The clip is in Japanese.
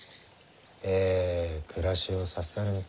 ええ暮らしをさせたるに。